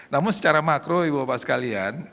namun secara makro ibu bapak sekalian